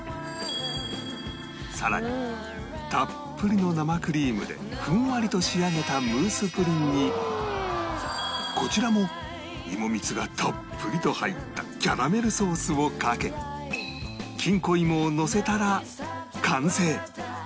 更にたっぷりの生クリームでふんわりと仕上げたムースプリンにこちらも芋蜜がたっぷりと入ったキャラメルソースをかけきんこ芋をのせたら完成